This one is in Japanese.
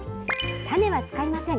種は使いません。